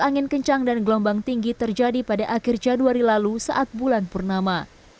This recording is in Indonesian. angin kencang dan gelombang tinggi terjadi pada akhir januari lalu saat bulan purnama